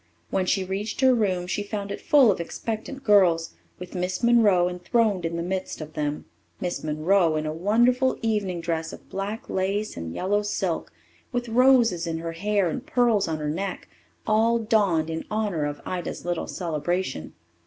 When she reached her room she found it full of expectant girls, with Miss Monroe enthroned in the midst of them Miss Monroe in a wonderful evening dress of black lace and yellow silk, with roses in her hair and pearls on her neck all donned in honour of Ida's little celebration.